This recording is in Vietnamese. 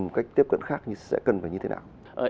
một cách tiếp cận khác thì sẽ cần phải như thế nào